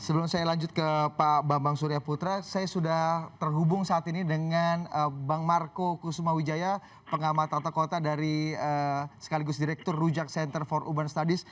sebelum saya lanjut ke pak bambang surya putra saya sudah terhubung saat ini dengan bang marco kusuma wijaya pengamat tata kota dari sekaligus direktur rujak center for urban studies